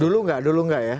dulu enggak dulu enggak ya